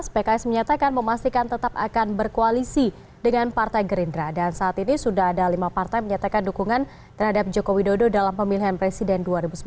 pks menyatakan memastikan tetap akan berkoalisi dengan partai gerindra dan saat ini sudah ada lima partai menyatakan dukungan terhadap jokowi dodo dalam pemilihan presiden dua ribu sembilan belas